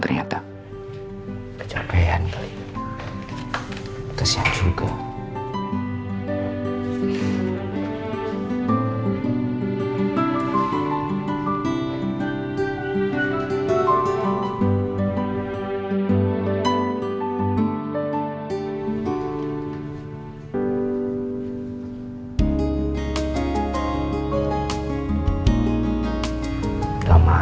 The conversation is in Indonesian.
lebih bahan bank sengaja ga numbers namanya siapa sih mash presumir